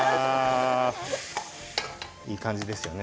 いい感じですよね。